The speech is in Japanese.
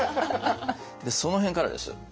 その辺からです。